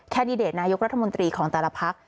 ดิเดตนายกรัฐมนตรีของแต่ละพัก